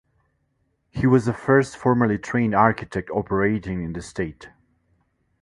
He was the first formally trained architect operating in the state.